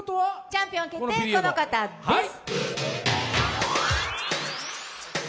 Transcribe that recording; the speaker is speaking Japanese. チャンピオン決定、この方です。